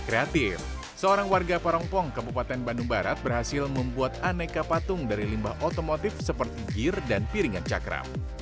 kreatif seorang warga parongpong kabupaten bandung barat berhasil membuat aneka patung dari limbah otomotif seperti gear dan piringan cakram